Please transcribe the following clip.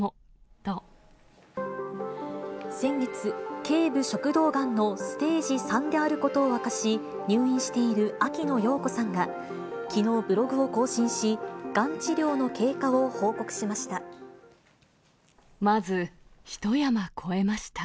先月、けい部食道がんのステージ３であることを明かし、入院している秋野暢子さんが、きのうブログを更新し、がん治療の経過を報告しました。